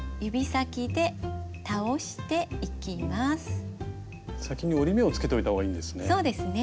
先に折り目をつけておいた方がいいんですね。